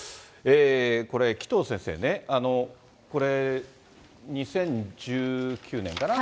これ紀藤先生ね、これ、２０１９年かな。